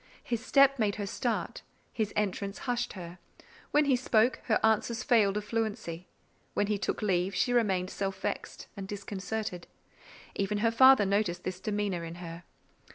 His step made her start; his entrance hushed her; when he spoke, her answers failed of fluency; when he took leave, she remained self vexed and disconcerted. Even her father noticed this demeanour in her.